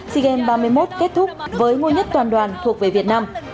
sea games ba mươi một kết thúc với ngôi nhất toàn đoàn thuộc về việt nam